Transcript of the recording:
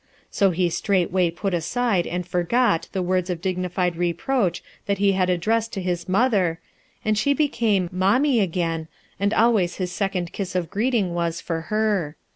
So he straightway put aside and forgot, the words dignified reproach that he had addressed to his mother, and she became "mommie" again, and always his second kiss of greeting was for her.